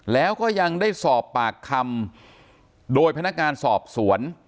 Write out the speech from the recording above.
แล้วก็ยังได้สอบปากคำโดยพนักงานสอบสวน